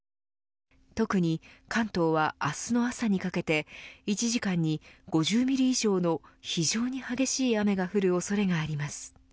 特に関東は、明日の朝にかけて１時間に５０ミリ以上の非常に激しい雨が降る恐れがあります。